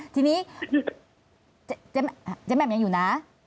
ทีนี้เจ๊แหม่มยังอยู่นะ